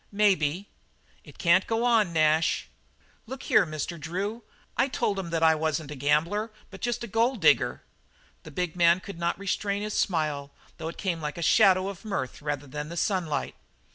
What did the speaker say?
"Maybe." "It can't go on, Nash." "Look here, Mr. Drew. I told 'em that I wasn't a gambler but just a gold digger." The big man could not restrain his smile, though it came like a shadow of mirth rather than the sunlight.